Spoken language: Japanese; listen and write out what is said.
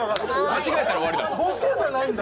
間違えたら終わり。